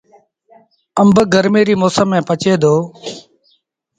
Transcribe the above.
آݩب گرميٚ ريٚ مند ميݩ پچي دو۔